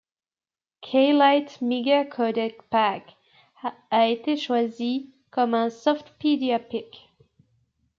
K-Lite Mega Codec Pack a été choisi comme un Softpedia Pick.